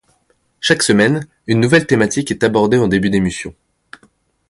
Chaque semaine, une nouvelle thématique est abordée en début d'émission.